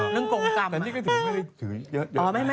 ลังกงกลำ